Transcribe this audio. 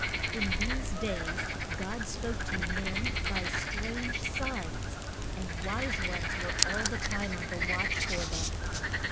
IN these days God spoke to men by strange signs, and wise ones were all the time on the watch for them.